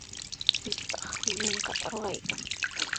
Patrka llikanta ruraykan.